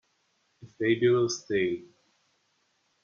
A Fabulous tale.